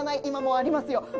今もありますよ。